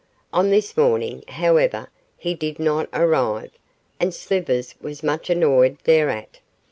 On this morning, however, he did not arrive, and Slivers was much annoyed thereat.